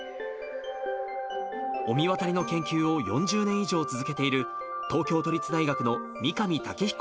御神渡りの研究を４０年以上続けている東京都立大学の三上岳彦